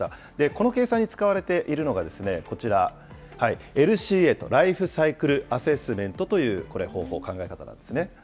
この計算に使われているのが、こちら、ＬＣＡと、ライフサイクルアセスメントという、これ、方法、考え方なんですね。